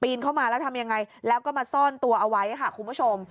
เข้ามาแล้วทำยังไงแล้วก็มาซ่อนตัวเอาไว้ค่ะคุณผู้ชม